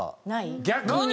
逆に。